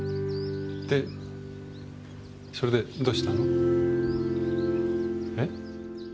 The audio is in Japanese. でそれでどうしたの？え？